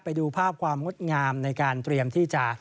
ไปดูภาพความงดงามในการเตรียมที่จะ